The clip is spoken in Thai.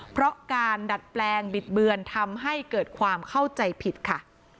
เพราะการดัดแปลงบิดเบือนทำให้เกิดความเข้าใจผิดค่ะ